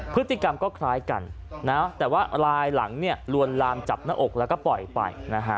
พฤติกรรมก็คล้ายกันแต่ว่าลายหลังลวนลามจับหน้าอกแล้วก็ปล่อยไป